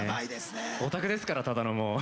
オタクですからただのもう。